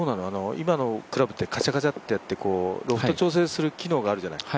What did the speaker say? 今のクラブってカチャカチャってやってロフト調整する機能があるじゃない。